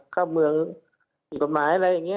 เข้าเมืองผิดกฎหมายอะไรอย่างนี้